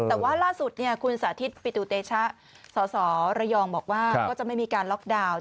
แต่ว่าล่าสุดคุณสาธิตปิตุเตชะสสระยองบอกว่าก็จะไม่มีการล็อกดาวน์